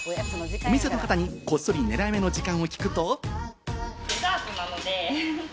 お店の方にこっそり狙いめの時間を聞くと。